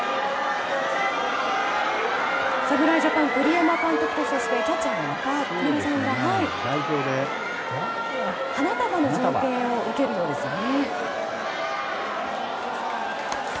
侍ジャパン、栗山監督とそして、キャッチャーの中村さんが代表で花束の贈呈を受けるようですね。